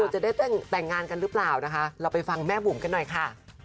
จะได้แต่งงานกันหรือเปล่านะคะเราไปฟังแม่บุ๋มกันหน่อยค่ะ